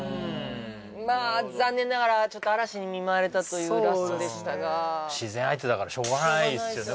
まあ残念ながらちょっと嵐に見舞われたというラストでしたが自然相手だからしょうがないっすよね